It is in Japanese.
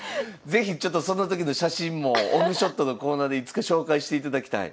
是非ちょっとその時の写真もオフショットのコーナーでいつか紹介していただきたい。